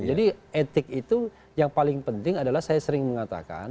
jadi etik itu yang paling penting adalah saya sering mengatakan